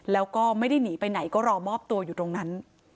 แล้วก็ไม่ได้หนีไปไหนก็รอมอบตัวอยู่ตรงนั้น